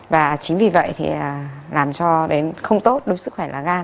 và chính vì vậy thì làm cho đến không tốt đối với sức khỏe là ga